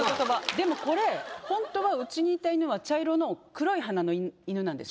でもこれほんとはうちにいた犬は茶色の黒い鼻の犬なんです。